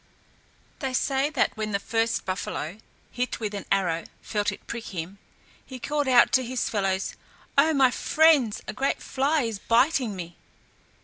They say that when the first buffalo hit with an arrow felt it prick him, he called out to his fellows, "Oh, my friends, a great fly is biting me."